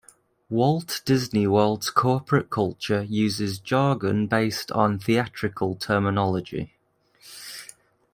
Walt Disney World's corporate culture uses jargon based on theatrical terminology.